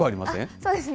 そうですね。